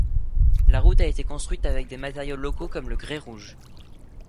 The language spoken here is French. La route a été construite avec des matériaux locaux comme le grès rouge.